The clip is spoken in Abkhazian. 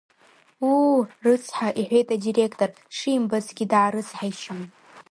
Уу, рыцҳа, — иҳәеит адиректор, дшимбацгьы даарыцҳаишьан.